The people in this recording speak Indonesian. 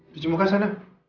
bicara sama kasian